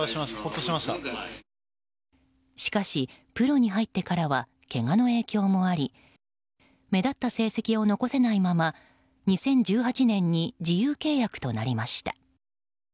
しかし、プロに入ってからはけがの影響もあり目立った成績を残せないまま２０１８年に自由契約となりました。